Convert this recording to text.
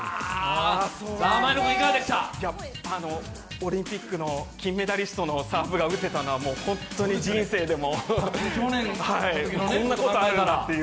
オリンピックの金メダリストのサーブが打てたのはもう本当に人生でも、こんなことあるんだという。